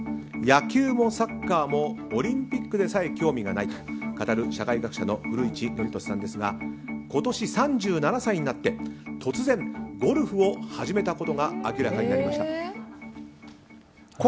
野球もサッカーもオリンピックでさえ興味がないと語る社会学者の古市憲寿さんですが今年３７歳になって突然ゴルフを始めたことが明らかになりました。